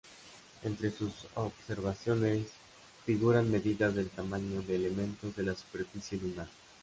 Entre sus observaciones figuran medidas del tamaño de elementos de la superficie lunar.